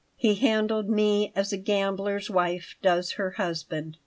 He handled me as a gambler's wife does her husband.